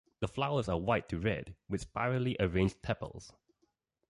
The flowers are white to red, with spirally arranged tepals.